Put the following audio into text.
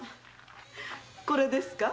これですか？